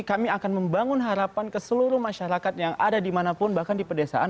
kami akan membangun harapan ke seluruh masyarakat yang ada dimanapun bahkan di pedesaan